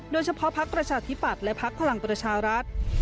เฉพาะพักประชาธิปัตย์และพักพลังประชารัฐ